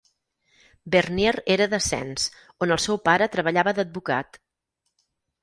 Vernier era de Sens, on el seu pare treballava d'advocat.